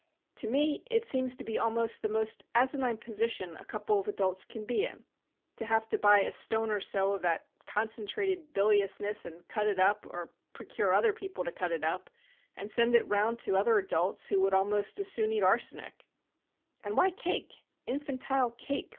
To me it seems to be almost the most asinine position a couple of adults can be in, to have to buy a stone or so of that concentrated biliousness and cut it up, or procure other people to cut it up, and send it round to other adults who would almost as soon eat arsenic. And why cake infantile cake?